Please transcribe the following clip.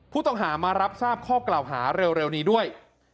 ผู้ต้องหามารับทราบข้อกล่าวหาเร็วนี้ด้วย